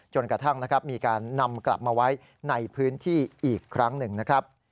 กระทั่งนะครับมีการนำกลับมาไว้ในพื้นที่อีกครั้งหนึ่งนะครับ